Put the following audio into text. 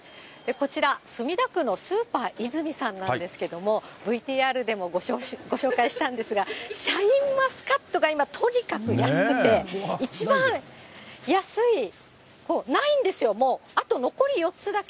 こちら、墨田区のスーパーイズミさんなんですけども、ＶＴＲでもご紹介したんですが、シャインマスカットが今、とにかく安くて、一番安い、ないんですよ、もうあと残り４つだけ。